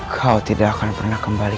kau tidak akan pernah kembali